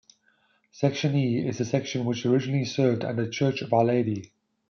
Section E is the section which originally served under Church of Our Lady.